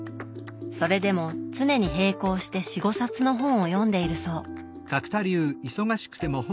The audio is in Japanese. それでも常に並行して４５冊の本を読んでいるそう。